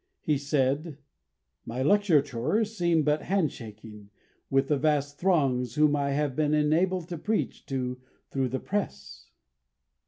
He said: "My lecture tours seem but hand shaking with the vast throngs whom I have been enabled to preach to through the press."